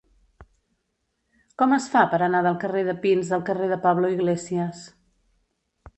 Com es fa per anar del carrer de Pins al carrer de Pablo Iglesias?